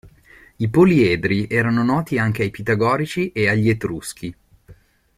I poliedri erano noti anche ai pitagorici e agli etruschi.